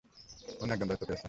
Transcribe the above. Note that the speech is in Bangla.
অন্য একজন দায়িত্ব পেয়েছে।